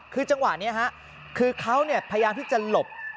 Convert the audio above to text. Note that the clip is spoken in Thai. คือจังหวะเนี้ยฮะคือเขาเนี้ยพยายามที่จะหลบ